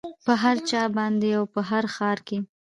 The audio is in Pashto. په هر چا باندې او په هر ښار کې